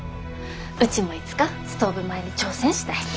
うちもいつかストーブ前に挑戦したい。